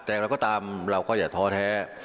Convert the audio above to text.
แต่เราก็ตามเราก็อย่าท้อแท้